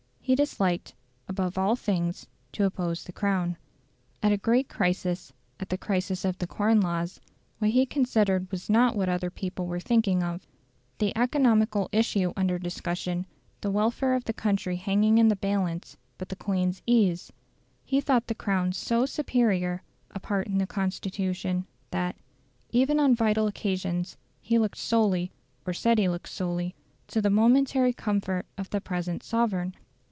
He disliked, above all things, to oppose the Crown. At a great crisis, at the crisis of the Corn Laws, what he considered was not what other people were thinking of, the economical issue under discussion, the welfare of the country hanging in the balance, but the Queen's ease. He thought the Crown so superior a part in the Constitution, that, even on vital occasions, he looked solely or said he looked solely to the momentary comfort of the present sovereign.